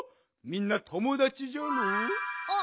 みんなともだちじゃろう？